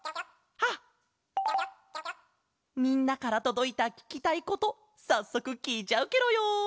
みんなからとどいたききたいことさっそくきいちゃうケロよ。